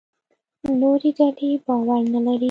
نورې ډلې باور نه لري.